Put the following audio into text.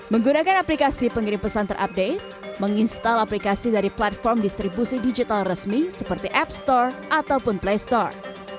menggunakan aplikasi pengirim pesan terupdate menginstal aplikasi dari platform distribusi digital resmi seperti app store ataupun play store